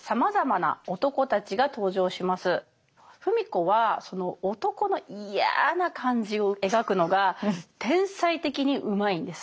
芙美子はその男のイヤな感じを描くのが天才的にうまいんです。